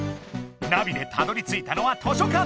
ナビでたどりついたのは図書かん。